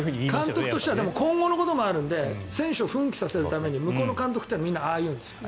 監督としては今後のこともあるので中国の選手を奮起させるために向こうの監督はみんなああ言うんです。